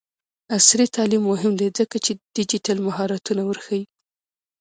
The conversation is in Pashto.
عصري تعلیم مهم دی ځکه چې ډیجیټل مهارتونه ورښيي.